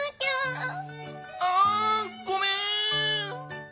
あごめん。